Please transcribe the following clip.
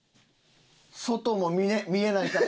外も見えないから。